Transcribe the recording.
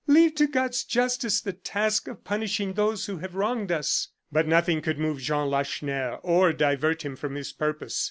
Leave to God's justice the task of punishing those who have wronged us." But nothing could move Jean Lacheneur, or divert him from his purpose.